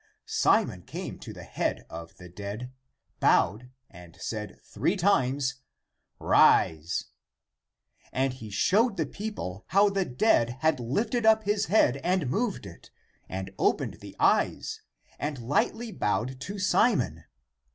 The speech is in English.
Simon came to the head of the dead, bowed, and said three times, " Rise," and he showed the people how the dead had lifted up his head and moved it, and opened the eyes and lightly bowed to Simon.